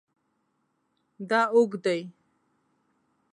دا اوږد دی